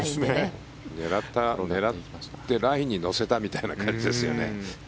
狙ってラインに乗せたみたいな感じですよね。